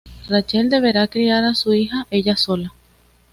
Rachel deberá criar a su hija ella sola.